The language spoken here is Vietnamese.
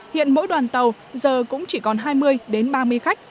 hiện mỗi đoàn tàu giờ cũng chỉ còn hai mươi đến ba mươi khách